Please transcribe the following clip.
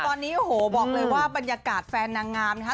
ตอนนี้โอ้โหบอกเลยว่าบรรยากาศแฟนนางงามนะคะ